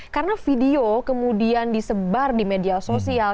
karena video kemudian disebar di media sosial